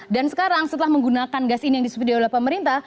dan sekarang setelah menggunakan gas ini yang disediakan oleh pemerintah